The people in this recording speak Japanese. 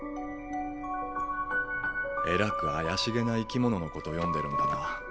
えらく怪しげな生き物のこと読んでるんだな。